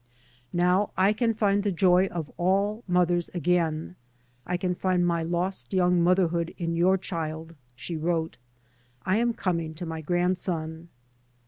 " Now I can find the joy of all mothers again. I can iind my lost young motherhood in your child," she wrote. " I am coming to my grandson."